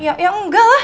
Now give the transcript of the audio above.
ya enggak lah